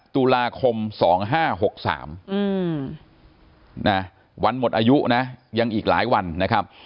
ตุลาคม๒๕๖๓วันหมดอายุนะยังอีกหลายวันนะครับ